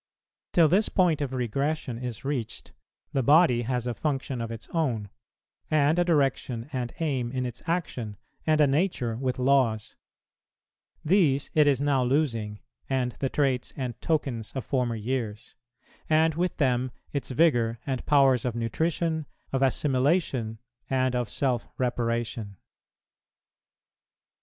Till this point of regression is reached, the body has a function of its own, and a direction and aim in its action, and a nature with laws; these it is now losing, and the traits and tokens of former years; and with them its vigour and powers of nutrition, of assimilation, and of self reparation.